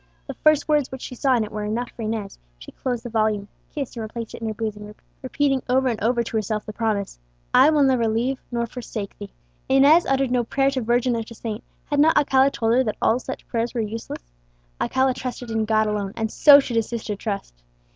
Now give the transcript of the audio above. The first words which she saw in it were enough for Inez; she closed the volume, kissed and replaced it in her bosom, repeating over and over to herself the promise, "I will never leave nor forsake thee." Inez uttered no prayer to Virgin or to saint: had not Alcala told her that all such prayers were useless? Alcala trusted in God alone, and so should his sister trust.